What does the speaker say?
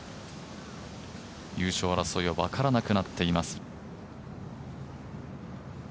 優勝争いは分からなくなっています。